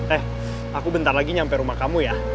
eh aku bentar lagi nyampe rumah kamu ya